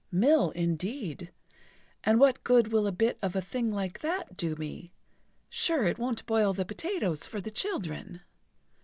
"Mill, indeed! And what good will a bit of a thing like that do me? Sure, it won't boil the potatoes for the children!"